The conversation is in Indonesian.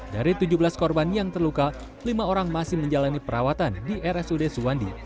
dari tujuh belas korban yang terluka lima orang masih menjalani perawatan di rsud suwandi